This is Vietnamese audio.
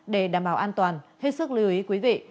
để đảm bảo an toàn hết sức lưu ý quý vị